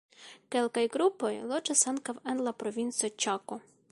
Kelkaj grupoj loĝas ankaŭ en la provinco Ĉako.